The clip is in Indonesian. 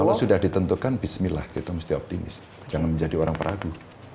kalau sudah ditentukan bismillah kita mesti optimis jangan menjadi orang peragu